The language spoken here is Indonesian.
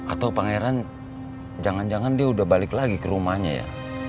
atau pangeran jangan jangan dia udah balik lagi ke rumahnya ya